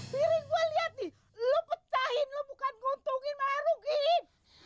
piring gua lihat nih lu pecahin lu bukan nguntungin marugin